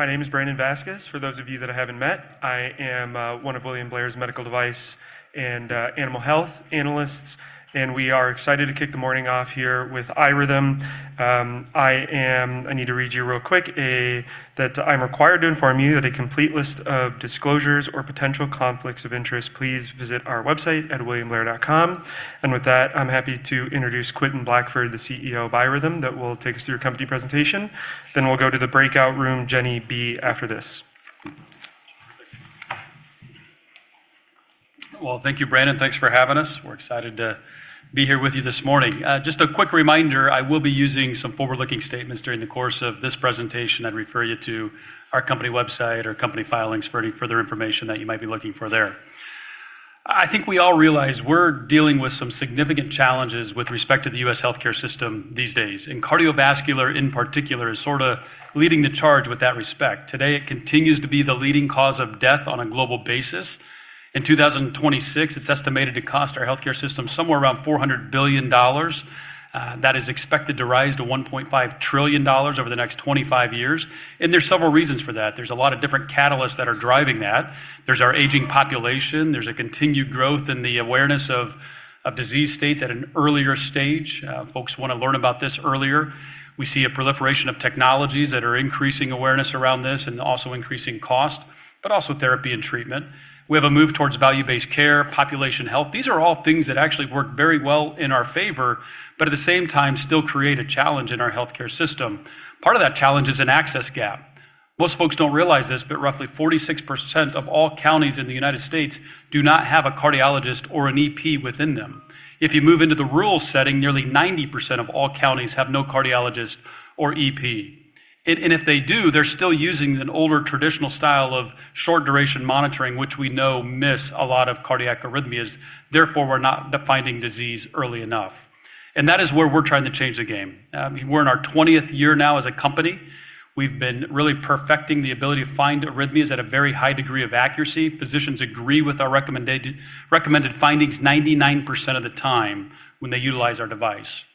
My name is Brandon Vazquez, for those of you that I haven't met. I am one of William Blair's medical device and animal health analysts, and we are excited to kick the morning off here with iRhythm. I need to read you real quick that I'm required to inform you that a complete list of disclosures or potential conflicts of interest, please visit our website at williamblair.com. With that, I'm happy to introduce Quentin Blackford, the CEO of iRhythm, that will take us through your company presentation. We'll go to the breakout room, Jenny B, after this. Well, thank you, Brandon. Thanks for having us. We're excited to be here with you this morning. Just a quick reminder, I will be using some forward-looking statements during the course of this presentation. I'd refer you to our company website or company filings for any further information that you might be looking for there. I think we all realize we're dealing with some significant challenges with respect to the U.S. healthcare system these days, and cardiovascular, in particular, is sort of leading the charge with that respect. Today, it continues to be the leading cause of death on a global basis. In 2026, it's estimated to cost our healthcare system somewhere around $400 billion. That is expected to rise to $1.5 trillion over the next 25 years, and there's several reasons for that. There's a lot of different catalysts that are driving that. There's our aging population. There's a continued growth in the awareness of disease states at an earlier stage. Folks want to learn about this earlier. We see a proliferation of technologies that are increasing awareness around this and also increasing cost, but also therapy and treatment. We have a move towards value-based care, population health. These are all things that actually work very well in our favor, but at the same time, still create a challenge in our healthcare system. Part of that challenge is an access gap. Most folks don't realize this, but roughly 46% of all counties in the United States do not have a cardiologist or an EP within them. If you move into the rural setting, nearly 90% of all counties have no cardiologist or EP. If they do, they're still using an older, traditional style of short-duration monitoring, which we know miss a lot of cardiac arrhythmias. Therefore, we're not defining disease early enough. That is where we're trying to change the game. We're in our 20th year now as a company. We've been really perfecting the ability to find arrhythmias at a very high degree of accuracy. Physicians agree with our recommended findings 99% of the time when they utilize our device.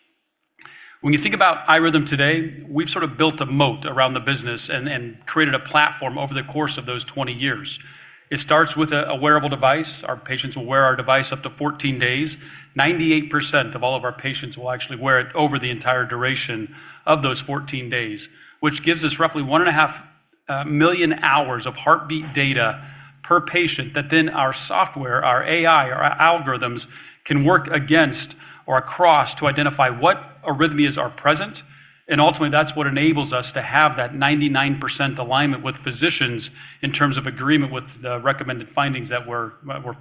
When you think about iRhythm today, we've sort of built a moat around the business and created a platform over the course of those 20 years. It starts with a wearable device. Our patients will wear our device up to 14 days. 98% of all of our patients will actually wear it over the entire duration of those 14 days, which gives us roughly 1.5 million hours of heartbeat data per patient that then our software, our AI, our algorithms can work against or across to identify what arrhythmias are present. Ultimately, that's what enables us to have that 99% alignment with physicians in terms of agreement with the recommended findings that we're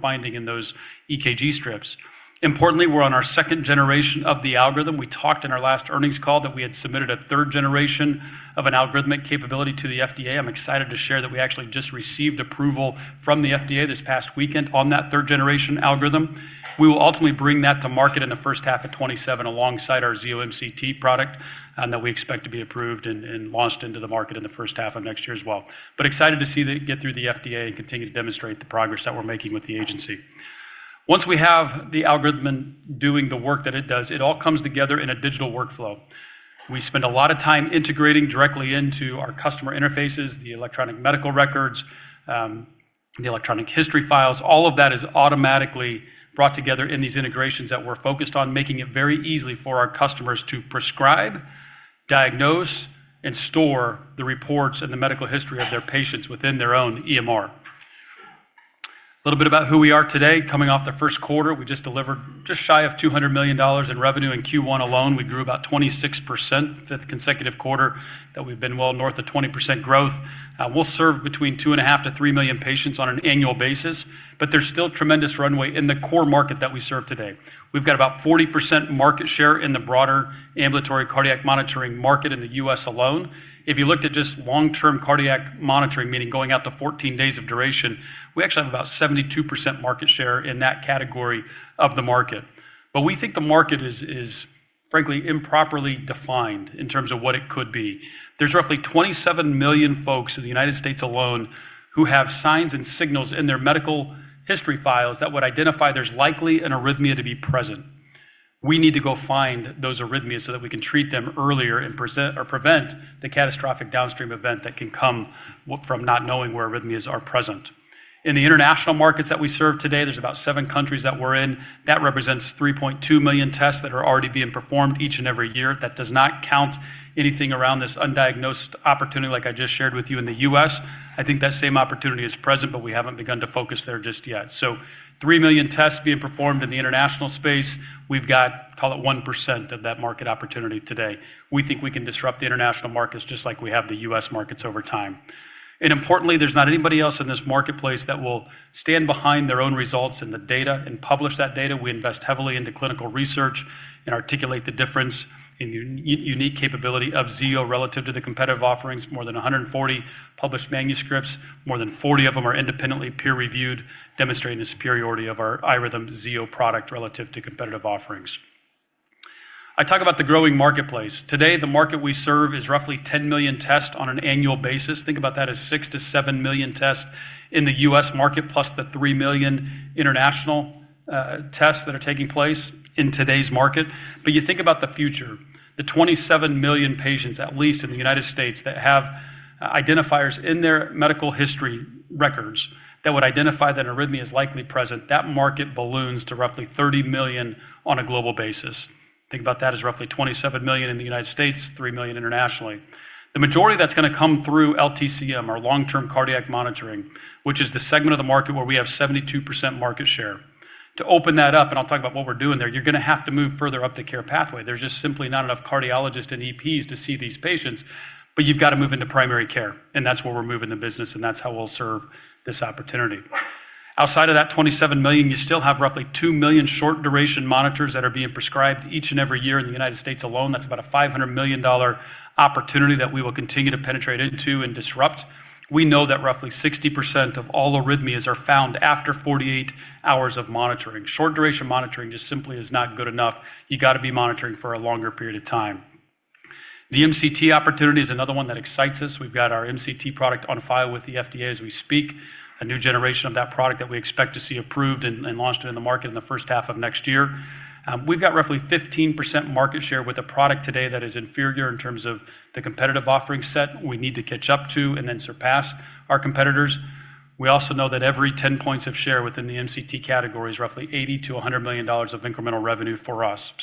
finding in those EKG strips. Importantly, we're on our second generation of the algorithm. We talked in our last earnings call that we had submitted a third generation of an algorithmic capability to the FDA. I'm excited to share that we actually just received approval from the FDA this past weekend on that third-generation algorithm. We will ultimately bring that to market in the first half of 2027 alongside our Zio MCT product that we expect to be approved and launched into the market in the first half of next year as well. Excited to see that get through the FDA and continue to demonstrate the progress that we're making with the agency. Once we have the algorithm doing the work that it does, it all comes together in a digital workflow. We spend a lot of time integrating directly into our customer interfaces, the electronic medical records, the electronic history files. All of that is automatically brought together in these integrations that we're focused on, making it very easy for our customers to prescribe, diagnose, and store the reports and the medical history of their patients within their own EMR. A little bit about who we are today. Coming off the first quarter, we just delivered just shy of $200 million in revenue in Q1 alone. We grew about 26%, the fifth consecutive quarter that we've been well north of 20% growth. We'll serve between 2.5 million-3 million patients on an annual basis. There's still tremendous runway in the core market that we serve today. We've got about 40% market share in the broader ambulatory cardiac monitoring market in the U.S. alone. If you looked at just long-term cardiac monitoring, meaning going out to 14 days of duration, we actually have about 72% market share in that category of the market. We think the market is, frankly, improperly defined in terms of what it could be. There's roughly 27 million folks in the United States alone who have signs and signals in their medical history files that would identify there's likely an arrhythmia to be present. We need to go find those arrhythmias so that we can treat them earlier and prevent the catastrophic downstream event that can come from not knowing where arrhythmias are present. In the international markets that we serve today, there's about seven countries that we're in. That represents 3.2 million tests that are already being performed each and every year. That does not count anything around this undiagnosed opportunity like I just shared with you in the U.S. I think that same opportunity is present, we haven't begun to focus there just yet. 3 million tests being performed in the international space. We've got, call it 1% of that market opportunity today. We think we can disrupt the international markets just like we have the U.S. markets over time. Importantly, there's not anybody else in this marketplace that will stand behind their own results and the data and publish that data. We invest heavily into clinical research and articulate the difference in the unique capability of Zio relative to the competitive offerings. More than 140 published manuscripts, more than 40 of them are independently peer-reviewed, demonstrating the superiority of our iRhythm Zio product relative to competitive offerings. I talk about the growing marketplace. Today, the market we serve is roughly 10 million tests on an annual basis. Think about that as 6 million-7 million tests in the U.S. market plus the 3 million international tests that are taking place in today's market. You think about the future. The 27 million patients, at least in the United States, that have identifiers in their medical history records that would identify that arrhythmia is likely present. That market balloons to roughly 30 million on a global basis. Think about that as roughly 27 million in the United States, 3 million internationally. The majority of that's going to come through LTCM, or long-term cardiac monitoring, which is the segment of the market where we have 72% market share. To open that up, and I'll talk about what we're doing there, you're going to have to move further up the care pathway. There's just simply not enough cardiologists and EPs to see these patients. You've got to move into primary care, and that's where we're moving the business, and that's how we'll serve this opportunity. Outside of that $27 million, you still have roughly 2 million short-duration monitors that are being prescribed each and every year in the United States alone. That's about a $500 million opportunity that we will continue to penetrate into and disrupt. We know that roughly 60% of all arrhythmias are found after 48 hours of monitoring. Short-duration monitoring just simply is not good enough. You got to be monitoring for a longer period of time. The MCT opportunity is another one that excites us. We've got our MCT product on file with the FDA as we speak, a new generation of that product that we expect to see approved and launched into the market in the first half of next year. We've got roughly 15% market share with a product today that is inferior in terms of the competitive offering set. We need to catch up to and then surpass our competitors. We also know that every 10 points of share within the MCT category is roughly $80 million-$100 million of incremental revenue for us.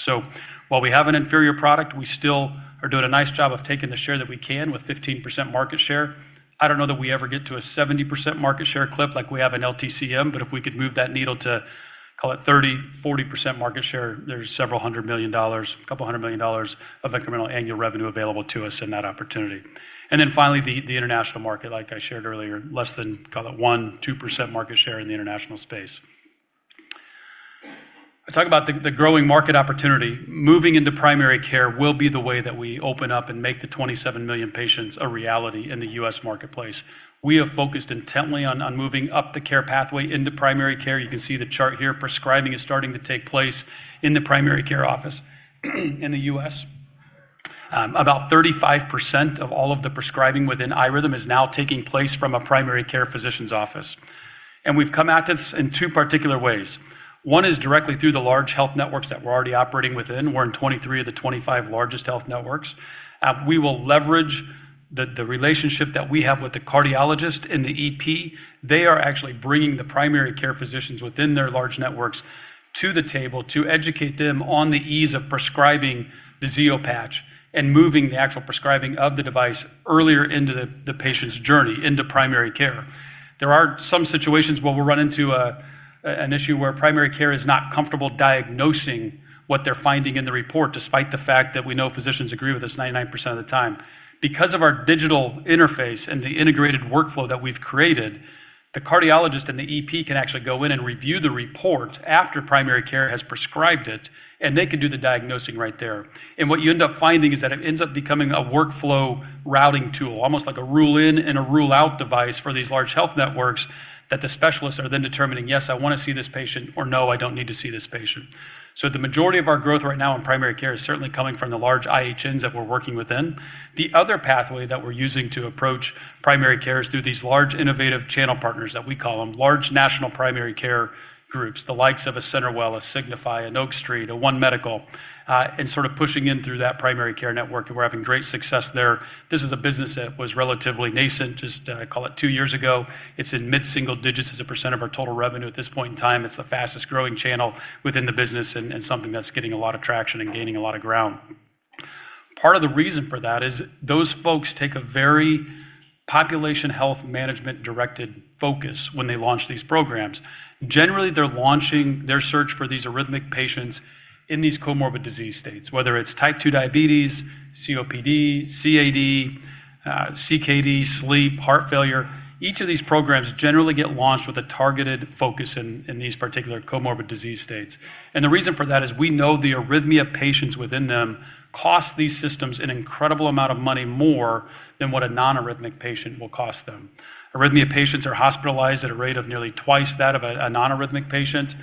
While we have an inferior product, we still are doing a nice job of taking the share that we can with 15% market share. I don't know that we ever get to a 70% market share clip like we have in LTCM, but if we could move that needle to, call it 30%, 40% market share, there's a couple of hundred million dollars of incremental annual revenue available to us in that opportunity. Finally, the international market, like I shared earlier, less than, call it 1%, 2% market share in the international space. I talk about the growing market opportunity. Moving into primary care will be the way that we open up and make the 27 million patients a reality in the U.S. marketplace. We have focused intently on moving up the care pathway into primary care. You can see the chart here. Prescribing is starting to take place in the primary care office in the U.S. About 35% of all of the prescribing within iRhythm is now taking place from a primary care physician's office. We've come at this in two particular ways. One is directly through the large health networks that we're already operating within. We're in 23 of the 25 largest health networks. We will leverage the relationship that we have with the cardiologist and the EP. They are actually bringing the primary care physicians within their large networks to the table to educate them on the ease of prescribing the Zio patch and moving the actual prescribing of the device earlier into the patient's journey into primary care. There are some situations where we'll run into an issue where primary care is not comfortable diagnosing what they're finding in the report, despite the fact that we know physicians agree with us 99% of the time. Because of our digital interface and the integrated workflow that we've created, the cardiologist and the EP can actually go in and review the report after primary care has prescribed it, and they can do the diagnosing right there. What you end up finding is that it ends up becoming a workflow routing tool, almost like a rule-in and a rule-out device for these large health networks that the specialists are then determining, "Yes, I want to see this patient," or, "No, I don't need to see this patient." The majority of our growth right now in primary care is certainly coming from the large IHNs that we're working within. The other pathway that we're using to approach primary care is through these large innovative channel partners that we call them, large national primary care groups, the likes of a CenterWell, a Signify, an Oak Street, a One Medical, and sort of pushing in through that primary care network. We're having great success there. This is a business that was relatively nascent just, call it two years ago. It's in mid-single digits as a percent of our total revenue at this point in time. It's the fastest-growing channel within the business and something that's getting a lot of traction and gaining a lot of ground. Part of the reason for that is those folks take a very population health management-directed focus when they launch these programs. Generally, they're launching their search for these arrhythmic patients in these comorbid disease states, whether it's Type 2 diabetes, COPD, CAD, CKD, sleep, heart failure. Each of these programs generally get launched with a targeted focus in these particular comorbid disease states. The reason for that is we know the arrhythmia patients within them cost these systems an incredible amount of money more than what a non-arrhythmic patient will cost them. Arrhythmia patients are hospitalized at a rate of nearly twice that of a non-arrhythmic patient.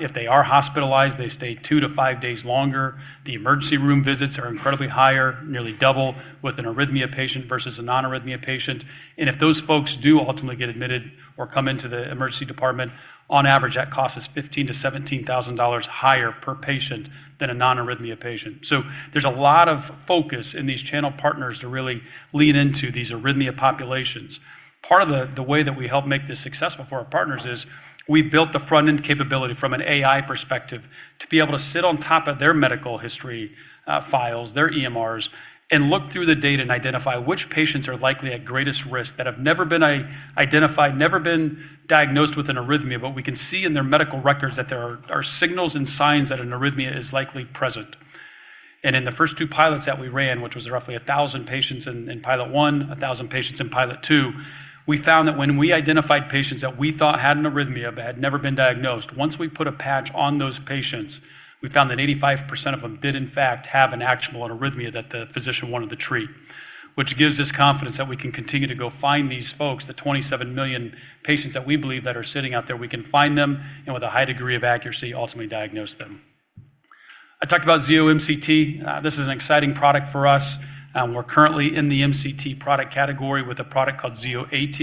If they are hospitalized, they stay two to five days longer. The emergency room visits are incredibly higher, nearly double with an arrhythmia patient versus a non-arrhythmia patient. If those folks do ultimately get admitted or come into the emergency department, on average, that cost is $15,000-$17,000 higher per patient than a non-arrhythmia patient. There's a lot of focus in these channel partners to really lean into these arrhythmia populations. Part of the way that we help make this successful for our partners is we built the front-end capability from an AI perspective to be able to sit on top of their medical history files, their EMRs, and look through the data and identify which patients are likely at greatest risk that have never been identified, never been diagnosed with an arrhythmia, but we can see in their medical records that there are signals and signs that an arrhythmia is likely present. In the first two pilots that we ran, which was roughly 1,000 patients in pilot one,1000 patients in pilot two, we found that when we identified patients that we thought had an arrhythmia but had never been diagnosed, once we put a patch on those patients, we found that 85% of them did in fact have an actual arrhythmia that the physician wanted to treat, which gives us confidence that we can continue to go find these folks, the 27 million patients that we believe that are sitting out there. We can find them and with a high degree of accuracy, ultimately diagnose them. I talked about Zio MCT. This is an exciting product for us. We're currently in the MCT product category with a product called Zio AT.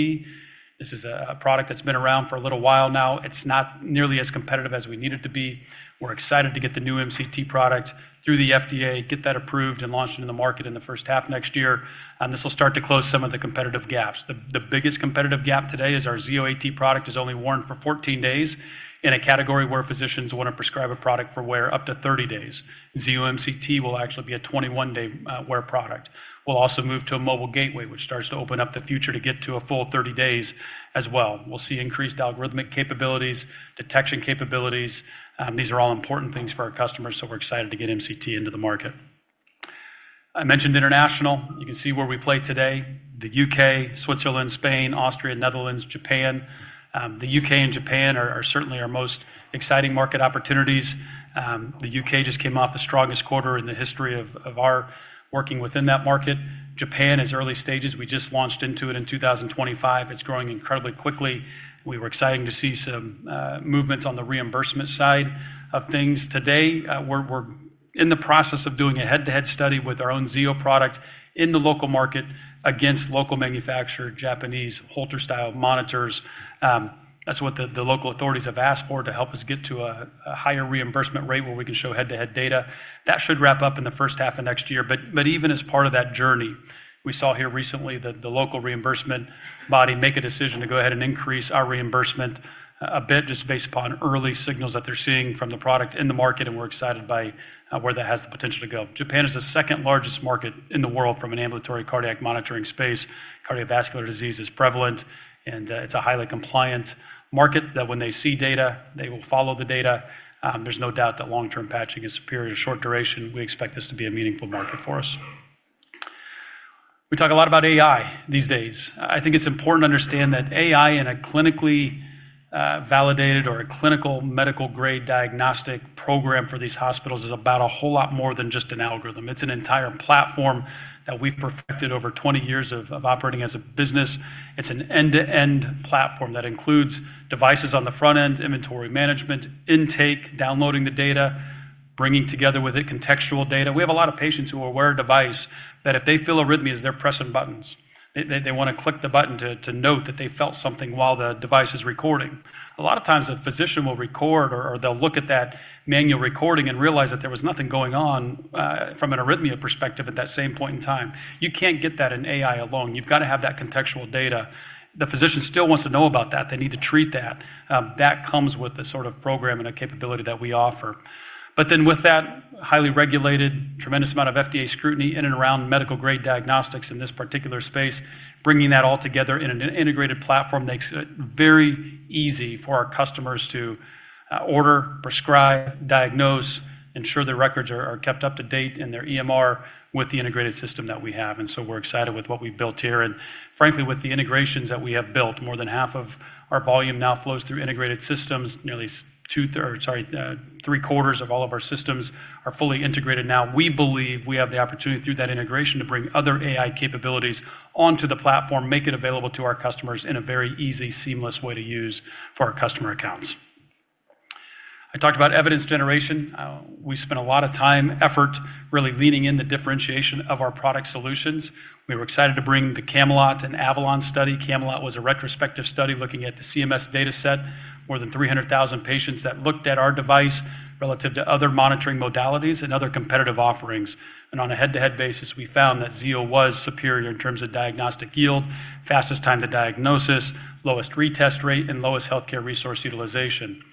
This is a product that's been around for a little while now. It's not nearly as competitive as we need it to be. We're excited to get the new MCT product through the FDA, get that approved, and launched into the market in the first half next year. This will start to close some of the competitive gaps. The biggest competitive gap today is our Zio AT product is only worn for 14 days in a category where physicians want to prescribe a product for wear up to 30 days. Zio MCT will actually be a 21-day wear product. We'll also move to a mobile gateway, which starts to open up the future to get to a full 30 days as well. We'll see increased algorithmic capabilities, detection capabilities. These are all important things for our customers, so we're excited to get MCT into the market. I mentioned international. You can see where we play today, the U.K., Switzerland, Spain, Austria, Netherlands, Japan. The U.K. and Japan are certainly our most exciting market opportunities. The U.K. just came off the strongest quarter in the history of our working within that market. Japan is early stages. We just launched into it in 2025. It's growing incredibly quickly. We were excited to see some movements on the reimbursement side of things. Today, we're in the process of doing a head-to-head study with our own Zio product in the local market against local manufacturer Japanese Holter style monitors. That's what the local authorities have asked for to help us get to a higher reimbursement rate where we can show head-to-head data. That should wrap up in the first half of next year. Even as part of that journey, we saw here recently that the local reimbursement body make a decision to go ahead and increase our reimbursement a bit just based upon early signals that they're seeing from the product in the market, and we're excited by where that has the potential to go. Japan is the second-largest market in the world from an ambulatory cardiac monitoring space. Cardiovascular disease is prevalent, and it's a highly compliant market that when they see data, they will follow the data. There's no doubt that long-term patching is superior to short duration. We expect this to be a meaningful market for us. We talk a lot about AI these days. I think it's important to understand that AI in a clinically validated or a clinical medical-grade diagnostic program for these hospitals is about a whole lot more than just an algorithm. It's an entire platform that we've perfected over 20 years of operating as a business. It's an end-to-end platform that includes devices on the front end, inventory management, intake, downloading the data, bringing together with it contextual data. We have a lot of patients who will wear a device that if they feel arrhythmias, they're pressing buttons. They want to click the button to note that they felt something while the device is recording. A lot of times, a physician will record, or they'll look at that manual recording and realize that there was nothing going on from an arrhythmia perspective at that same point in time. You can't get that in AI alone. You've got to have that contextual data. The physician still wants to know about that. They need to treat that. That comes with the sort of program and a capability that we offer. With that highly regulated, tremendous amount of FDA scrutiny in and around medical-grade diagnostics in this particular space, bringing that all together in an integrated platform makes it very easy for our customers to order, prescribe, diagnose, ensure their records are kept up to date in their EMR with the integrated system that we have. We're excited with what we've built here, and frankly, with the integrations that we have built. More than half of our volume now flows through integrated systems. Nearly three-quarters of all of our systems are fully integrated now. We believe we have the opportunity through that integration to bring other AI capabilities onto the platform, make it available to our customers in a very easy, seamless way to use for our customer accounts. I talked about evidence generation. We spent a lot of time and effort really leaning in the differentiation of our product solutions. We were excited to bring the CAMELOT and AVALON study. CAMELOT was a retrospective study looking at the CMS dataset, more than 300,000 patients that looked at our device relative to other monitoring modalities and other competitive offerings. On a head-to-head basis, we found that Zio was superior in terms of diagnostic yield, fastest time to diagnosis, lowest retest rate, and lowest healthcare resource utilization.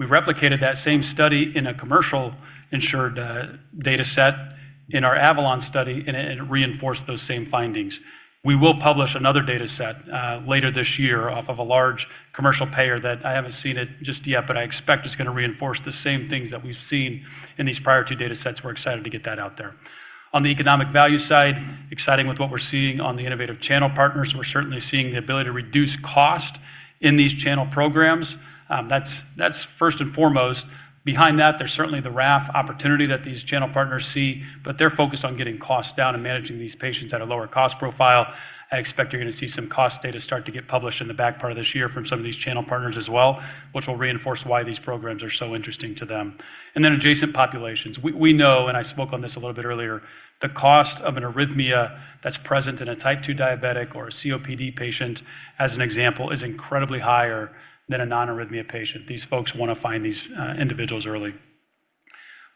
We replicated that same study in a commercial-insured dataset in our AVALON study, and it reinforced those same findings. We will publish another dataset later this year off of a large commercial payer that I haven't seen it just yet, but I expect is going to reinforce the same things that we've seen in these prior two datasets. We're excited to get that out there. On the economic value side, exciting with what we're seeing on the innovative channel partners. We're certainly seeing the ability to reduce cost in these channel programs. That's first and foremost. Behind that, there's certainly the RAF opportunity that these channel partners see, but they're focused on getting costs down and managing these patients at a lower cost profile. I expect you're going to see some cost data start to get published in the back part of this year from some of these channel partners as well, which will reinforce why these programs are so interesting to them. Adjacent populations. We know, and I spoke on this a little bit earlier, the cost of an arrhythmia that's present in a type 2 diabetic or a COPD patient, as an example, is incredibly higher than a non-arrhythmia patient. These folks want to find these individuals early.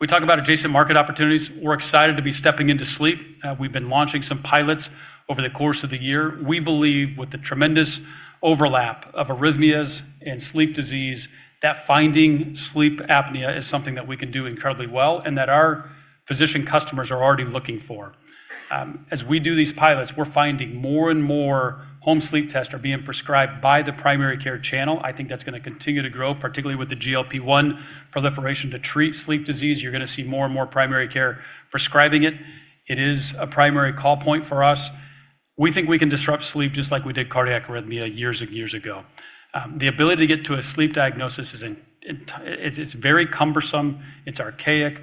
We talk about adjacent market opportunities. We're excited to be stepping into sleep. We've been launching some pilots over the course of the year. We believe with the tremendous overlap of arrhythmias and sleep disease, that finding sleep apnea is something that we can do incredibly well and that our physician customers are already looking for. As we do these pilots, we're finding more and more home sleep tests are being prescribed by the primary care channel. I think that's going to continue to grow, particularly with the GLP-1 proliferation to treat sleep disease. You're going to see more and more primary care prescribing it. It is a primary call point for us. We think we can disrupt sleep just like we did cardiac arrhythmia years and years ago. The ability to get to a sleep diagnosis is very cumbersome. It's archaic.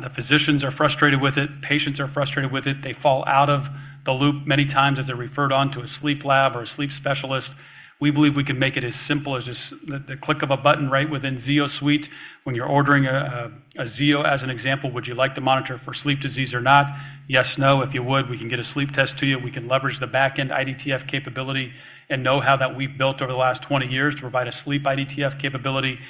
The physicians are frustrated with it. Patients are frustrated with it. They fall out of the loop many times as they're referred on to a sleep lab or a sleep specialist. We believe we can make it as simple as just the click of a button right within ZioSuite. When you're ordering a Zio, as an example, would you like to monitor for sleep disease or not? Yes, no. If you would, we can get a sleep test to you. We can leverage the back end IDTF capability and know-how that we've built over the last 20 years to provide a sleep IDTF capability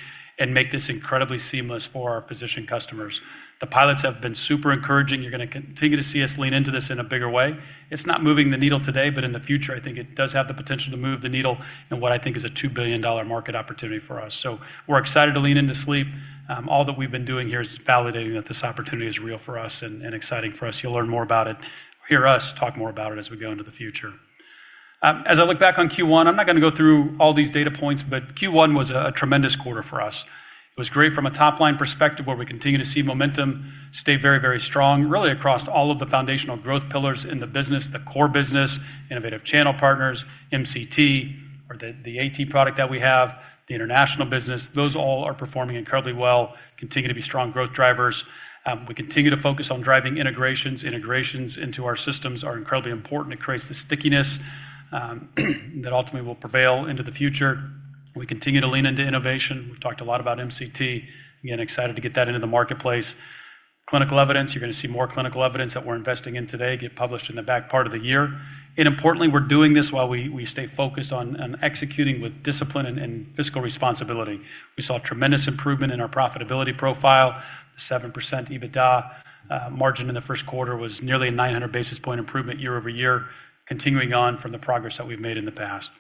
and make this incredibly seamless for our physician customers. The pilots have been super encouraging. You're going to continue to see us lean into this in a bigger way. It's not moving the needle today, but in the future, I think it does have the potential to move the needle in what I think is a $2 billion market opportunity for us. We're excited to lean into sleep. All that we've been doing here is validating that this opportunity is real for us and exciting for us. You'll hear us talk more about it as we go into the future. As I look back on Q1, I'm not going to go through all these data points, but Q1 was a tremendous quarter for us. It was great from a top-line perspective, where we continue to see momentum stay very, very strong, really across all of the foundational growth pillars in the business, the core business, innovative channel partners, MCT or the AT product that we have, the international business. Those all are performing incredibly well, continue to be strong growth drivers. We continue to focus on driving integrations. Integrations into our systems are incredibly important. It creates the stickiness that ultimately will prevail into the future. We continue to lean into innovation. We've talked a lot about MCT. Again, excited to get that into the marketplace. Clinical evidence. You're going to see more clinical evidence that we're investing in today get published in the back part of the year. Importantly, we're doing this while we stay focused on executing with discipline and fiscal responsibility. We saw a tremendous improvement in our profitability profile. 7% EBITDA margin in the first quarter was nearly a 900 basis point improvement year-over-year, continuing on from the progress that we've made in the past.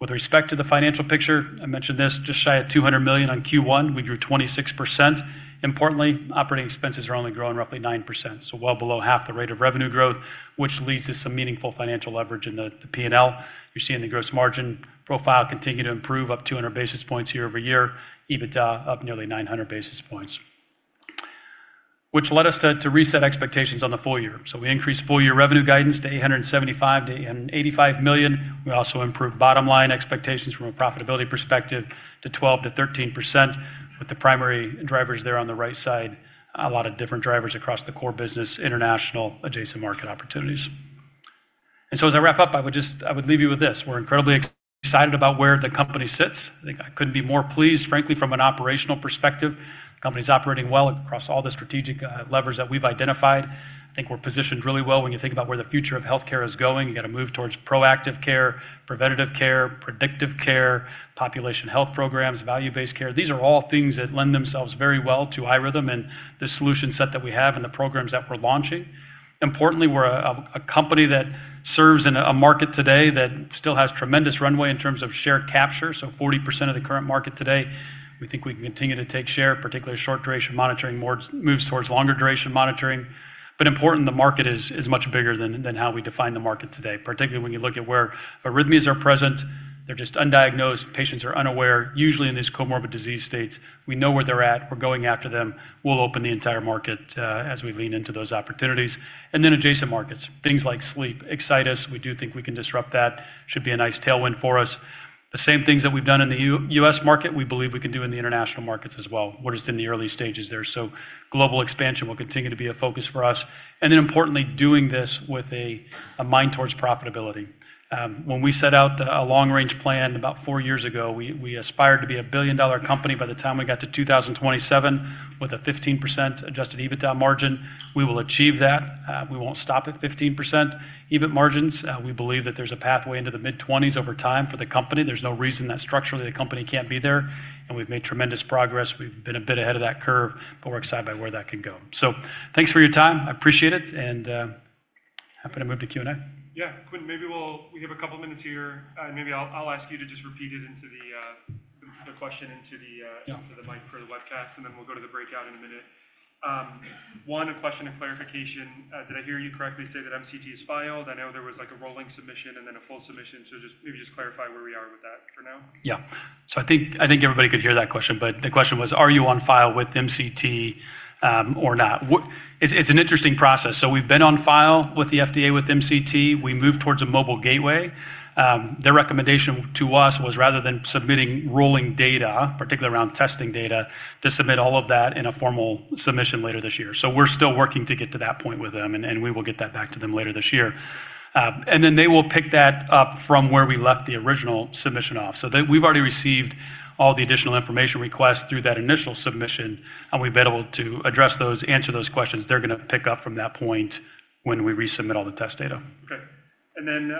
With respect to the financial picture, I mentioned this, just shy of $200 million on Q1, we grew 26%. Importantly, operating expenses are only growing roughly 9%, so well below half the rate of revenue growth, which leads to some meaningful financial leverage in the P&L. You're seeing the gross margin profile continue to improve up 200 basis points year-over-year, EBITDA up nearly 900 basis points. Which led us to reset expectations on the full-year. We increased full-year revenue guidance to $875 million-$885 million. We also improved bottom-line expectations from a profitability perspective to 12%-13% with the primary drivers there on the right side, a lot of different drivers across the core business, international adjacent market opportunities. As I wrap up, I would leave you with this. We're incredibly excited about where the company sits. I think I couldn't be more pleased, frankly, from an operational perspective. Company's operating well across all the strategic levers that we've identified. I think we're positioned really well when you think about where the future of healthcare is going. You've got to move towards proactive care, preventative care, predictive care, population health programs, value-based care. These are all things that lend themselves very well to iRhythm and the solution set that we have and the programs that we're launching. Importantly, we're a company that serves in a market today that still has tremendous runway in terms of share capture. 40% of the current market today, we think we can continue to take share, particularly short-duration monitoring moves towards longer duration monitoring. Important, the market is much bigger than how we define the market today, particularly when you look at where arrhythmias are present. They're just undiagnosed. Patients are unaware. Usually in these comorbid disease states, we know where they're at. We're going after them. We'll open the entire market as we lean into those opportunities. Adjacent markets, things like sleep excite us. We do think we can disrupt that. Should be a nice tailwind for us. The same things that we've done in the U.S. market, we believe we can do in the international markets as well. We're just in the early stages there. Global expansion will continue to be a focus for us. Importantly, doing this with a mind towards profitability. When we set out a long-range plan about four years ago, we aspired to be a billion-dollar company by the time we got to 2027 with a 15% adjusted EBITDA margin. We will achieve that. We won't stop at 15% EBIT margins. We believe that there's a pathway into the mid-20s over time for the company. There's no reason that structurally the company can't be there, and we've made tremendous progress. We've been a bit ahead of that curve, but we're excited by where that can go. Thanks for your time. I appreciate it, and happy to move to Q&A. Yeah. Quentin, we have a couple of minutes here. Maybe I'll ask you to just repeat the question into the mic for the webcast, and then we'll go to the breakout in a minute. One question of clarification. Did I hear you correctly say that MCT is filed? I know there was a rolling submission and then a full submission. Just maybe clarify where we are with that for now. Yeah. I think everybody could hear that question, but the question was, are you on file with MCT or not? It's an interesting process. We've been on file with the FDA with MCT. We moved towards a mobile gateway. Their recommendation to us was rather than submitting rolling data, particularly around testing data, to submit all of that in a formal submission later this year. We're still working to get to that point with them, and we will get that back to them later this year. They will pick that up from where we left the original submission off. We've already received all the additional information requests through that initial submission, and we've been able to address those, answer those questions. They're going to pick up from that point when we resubmit all the test data. Okay. Then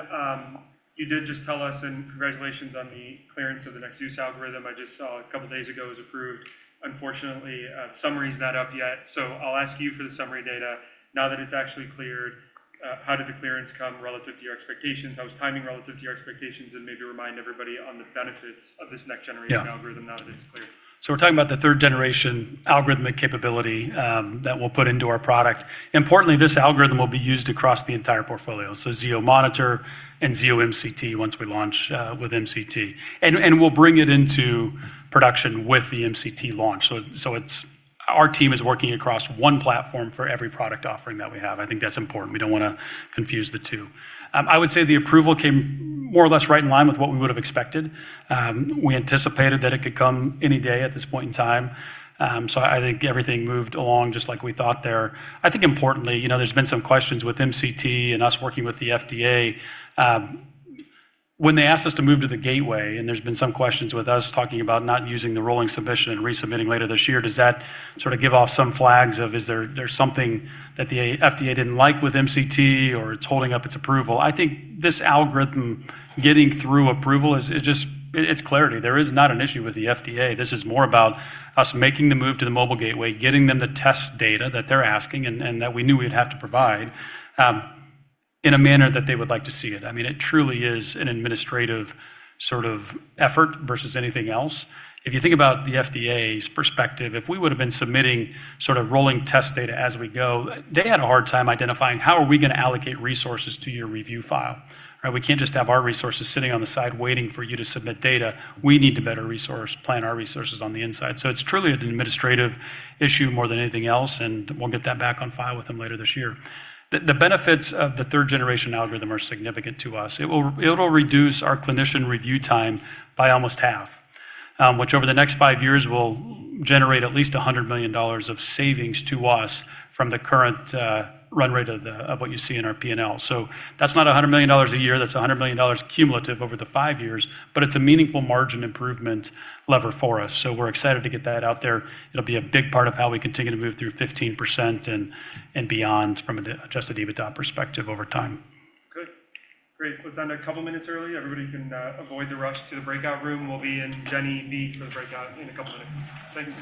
you did just tell us, and congratulations on the clearance of the next use algorithm. I just saw a couple of days ago it was approved. Unfortunately, summary's not up yet. I'll ask you for the summary data. Now that it's actually cleared, how did the clearance come relative to your expectations? How was timing relative to your expectations? Maybe remind everybody on the benefits of this next generation algorithm now that it's cleared. We're talking about the third-generation algorithmic capability that we'll put into our product. Importantly, this algorithm will be used across the entire portfolio. Zio Monitor and Zio MCT once we launch with MCT. We'll bring it into production with the MCT launch. Our team is working across one platform for every product offering that we have. I think that's important. We don't want to confuse the two. I would say the approval came more or less right in line with what we would have expected. We anticipated that it could come any day at this point in time. I think everything moved along just like we thought there. I think importantly, there's been some questions with MCT and us working with the FDA. When they asked us to move to the gateway, and there's been some questions with us talking about not using the rolling submission and resubmitting later this year, does that give off some flags of, is there something that the FDA didn't like with MCT or it's holding up its approval? I think this algorithm getting through approval, it's clarity. There is not an issue with the FDA. This is more about us making the move to the mobile gateway, getting them the test data that they're asking, and that we knew we'd have to provide, in a manner that they would like to see it. It truly is an administrative effort versus anything else. If you think about the FDA's perspective, if we would've been submitting rolling test data as we go, they had a hard time identifying how are we going to allocate resources to your review file. We can't just have our resources sitting on the side waiting for you to submit data. We need to better plan our resources on the inside. It's truly an administrative issue more than anything else, and we'll get that back on file with them later this year. The benefits of the third-generation algorithm are significant to us. It'll reduce our clinician review time by almost half. Which over the next five years will generate at least $100 million of savings to us from the current run rate of what you see in our P&L. That's not $100 million a year, that's $100 million cumulative over the five years, but it's a meaningful margin improvement lever for us. We're excited to get that out there. It'll be a big part of how we continue to move through 15% and beyond from an adjusted EBITDA perspective over time. Good. Great. Well, it's ended a couple of minutes early. Everybody can avoid the rush to the breakout room. We'll be in Jenny B for the breakout in a couple of minutes. Thank you.